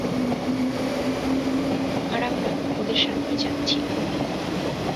আর আমরা ওদের সাথেই যাচ্ছি।